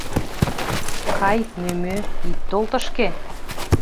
Кай, Мӧмӧ, ит тол тышке